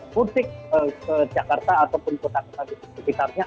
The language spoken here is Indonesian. mudik ke jakarta ataupun kota kota di sekitarnya